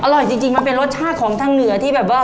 อร่อยจริงมันเป็นรสชาติของทางเหนือที่แบบว่า